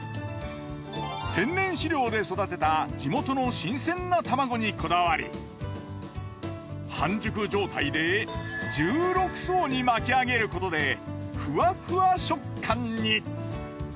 天然飼料で育てた地元の新鮮な卵にこだわり半熟状態で１６層に巻き上げることでフワフワ食感に。